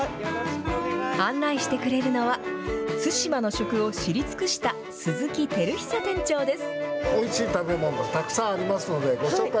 案内してくれるのは、津島の食を知り尽くした鈴木輝久店長です。